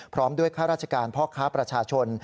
พร้อมด้วยข้าราชการพ่อค้าประชาชน